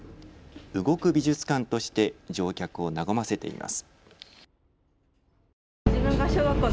動く美術館として乗客を和ませています。